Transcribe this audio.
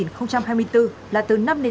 năm hai nghìn hai mươi bốn là từ năm đến